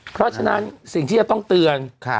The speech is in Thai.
เพราะฉะนั้นสิ่งที่จะต้องเตือน